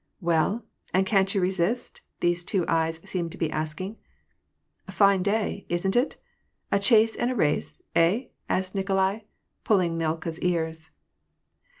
<< Well, and can't yon resist ?" these two eyes seemed to be asking. " Fine day, isn't it ? A chase and a race, hey ?" asked Nik olai, pulling Milka's ears.